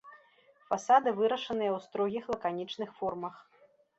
Фасады вырашаныя ў строгіх лаканічных формах.